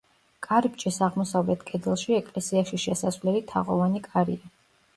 კარიბჭის აღმოსავლეთ კედელში ეკლესიაში შესასვლელი თაღოვანი კარია.